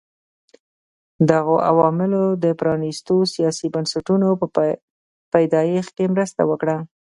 دغو عواملو د پرانیستو سیاسي بنسټونو په پیدایښت کې مرسته وکړه.